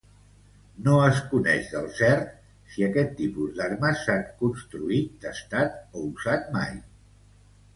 No es coneix del cert si aquest tipus d'armes s'han construït, testat o usat mai.